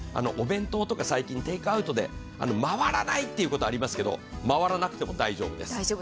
お弁当とか最近、テイクアウトで回らないってことありますけれども、回らなくても大丈夫です。